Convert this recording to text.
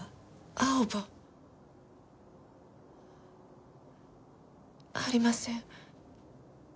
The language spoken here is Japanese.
アオバ？ありません。